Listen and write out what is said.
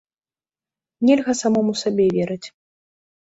Нельга самому сабе верыць.